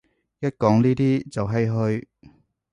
一講呢啲就唏噓